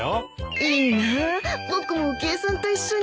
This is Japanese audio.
いいなあ僕も浮江さんと一緒に。